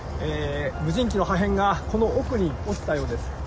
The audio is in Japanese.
無人機の破片がこの奥に落ちたよ